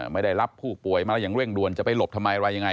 ไม่ได้รับผู้ป่วยมาแล้วอย่างเร่งด่วนจะไปหลบทำไมอะไรยังไง